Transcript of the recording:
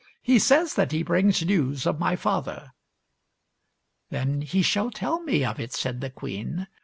" He says that he brings news of my father." "Then he shall tell me of, it," said the queen.